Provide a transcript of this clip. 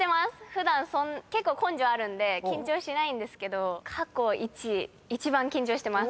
普段そん結構根性あるんで緊張しないんですけど過去一一番緊張してます。